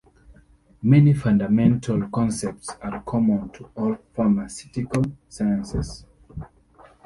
Many fundamental concepts are common to all pharmaceutical sciences.